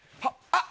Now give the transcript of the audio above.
あっ！